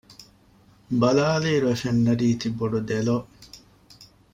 ބަލާލާއިރު އެފެންނަ ރީތި ބޮޑު ދެލޮލު